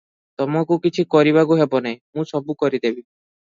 ତମକୁ କିଛି କରିବାକୁ ହବ ନାହିଁ, ମୁଁ ସବୁ କରିଦେବି ।"